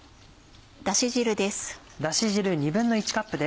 だし汁です。